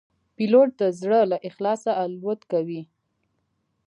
پیلوټ د زړه له اخلاصه الوت کوي.